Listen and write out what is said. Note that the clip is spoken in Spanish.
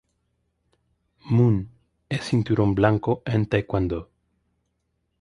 Munn es cinturón blanco en taekwondo.